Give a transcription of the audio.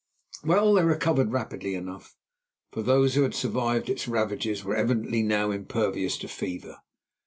Well, they recovered rapidly enough, for those who had survived its ravages were evidently now impervious to fever.